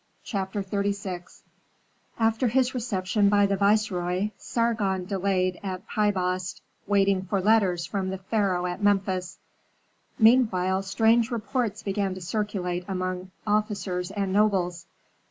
CHAPTER XXXVI After his reception by the viceroy, Sargon delayed at Pi Bast, waiting for letters from the pharaoh at Memphis. Meanwhile strange reports began to circulate among officers and nobles.